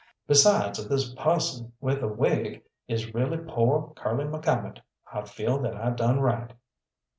Besides if this pusson with a wig is really pore Curly McCalmont, I feel that I done right."